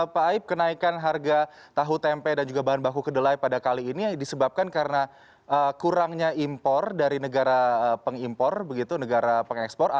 pak aib kenaikan harga tahu tempe dan juga bahan baku kedelai pada kali ini disebabkan karena kurangnya impor dari negara pengimpor begitu negara pengekspor